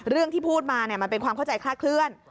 เรื่องที่พูดมามันเป็นความเข้าใจคลาดเคลื่อน